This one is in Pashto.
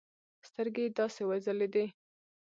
سترگې يې داسې وځلېدې.